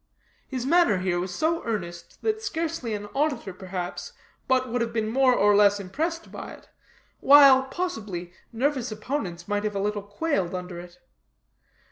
His manner here was so earnest that scarcely any auditor, perhaps, but would have been more or less impressed by it, while, possibly, nervous opponents might have a little quailed under it.